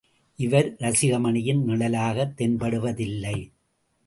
இவர் ரசிகமணியின் நிழலாகத் தென்படுவதில்லை.